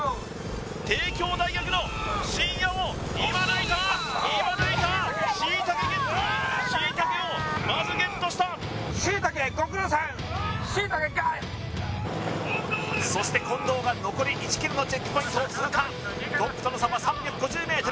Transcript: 帝京大学のしんやを今抜いた今抜いたしいたけゲットしいたけをまずゲットしたしいたけそして近藤が残り１ｋｍのチェックポイントを通過トップとの差は３５０ｍ